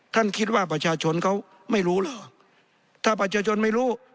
ท่านคิดว่าประชาชนเขาไม่รู้เหรอถ้าประชาชนไม่รู้